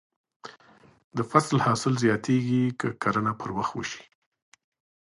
د فصل حاصل زیاتېږي که کرنه پر وخت وشي.